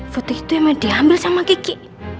putih itu emang diambil sama kiki